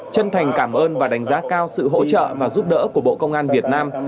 chân thành cảm ơn và đánh giá cao sự hỗ trợ và giúp đỡ của bộ công an việt nam